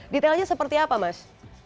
detailnya seperti apa mas